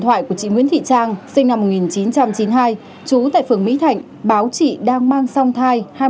thoại của chị nguyễn thị trang sinh năm một nghìn chín trăm chín mươi hai trú tại phường mỹ thạnh báo chị đang mang song thai